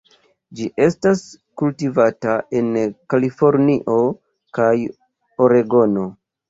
Ĝi estas kultivata en Kalifornio kaj Oregono.